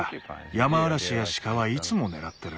ヤマアラシやシカはいつも狙ってる。